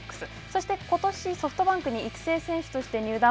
そしてことしソフトバンクに育成選手として入団。